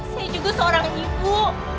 saya juga seorang ibu